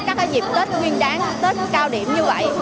các dịp tết nguyên đáng tết cao điểm như vậy